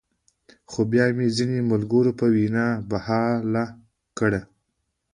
خو بيا مې د ځينې ملګرو پۀ وېنا بحال کړۀ -